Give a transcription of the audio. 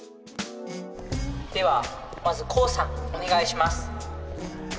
ではまずこうさんお願いします。